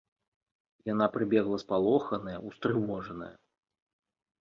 Яна прыбегла спалоханая, устрывожаная.